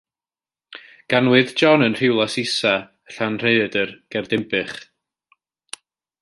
Ganwyd John yn Rhiwlas Isaf, Llanrhaeadr, ger Dinbych.